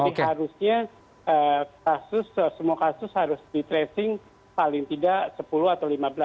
jadi harusnya kasus semua kasus harus di tracing paling tidak sepuluh atau lima belas